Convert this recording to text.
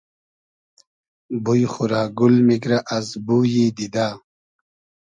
بوی خو رۂ گول میگرۂ از بویی دیدۂ